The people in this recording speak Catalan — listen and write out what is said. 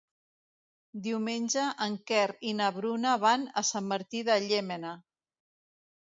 Diumenge en Quer i na Bruna van a Sant Martí de Llémena.